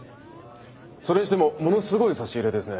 それにしてもものすごい差し入れですね。